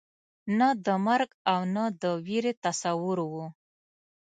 نه د مرګ او نه د وېرې تصور وو.